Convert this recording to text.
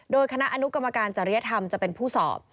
โดยคณะอนุกรรมการจริยธรรมจะเป็นผู้สอบ